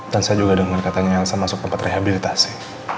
dan saya juga dengar katanya elsa masuk tempat rehabilitasi